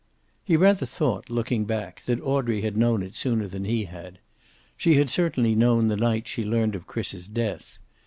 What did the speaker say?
He rather thought, looking back, that Audrey had known it sooner than he had. She had certainly known the night she learned of Chris's death.